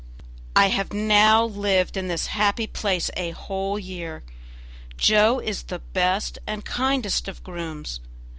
I have now lived in this happy place a whole year. Joe is the best and kindest of grooms.